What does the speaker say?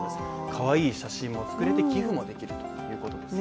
かわいい写真も作れて寄付もできるということです。